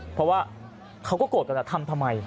เพราะว่าเขาก็โกรธกันทำทำไม